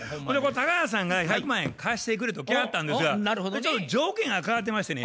高橋さんが１００万円貸してくれと来はったんですがちょっと条件が変わってましてね。